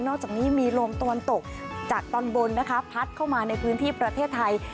อกจากนี้มีลมตะวันตกจากตอนบนนะคะพัดเข้ามาในพื้นที่ประเทศไทย